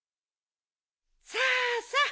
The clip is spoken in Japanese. さあさ